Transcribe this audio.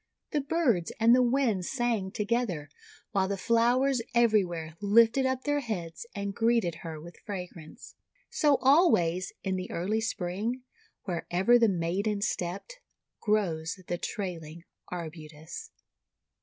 The birds and the winds sang together, while the flowers everywhere lifted up their heads and greeted her with fragrance. So always in the early Spring, wherever the maiden stepped, grows the Trailing Arbutus.